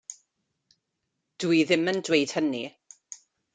Dw i ddim yn dweud hynny.